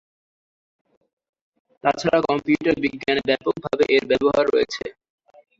তাছাড়া কম্পিউটার বিজ্ঞানে ব্যাপক ভাবে এর ব্যবহার রয়েছে।